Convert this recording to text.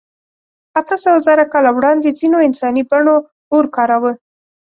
اتهسوهزره کاله وړاندې ځینو انساني بڼو اور کاراوه.